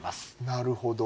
なるほど。